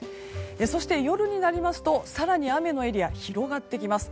そして、夜になりますと更に雨のエリアが広がってきます。